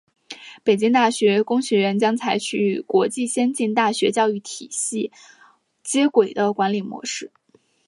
北京大学工学院将采取与国际先进大学教育体制接轨的管理模式。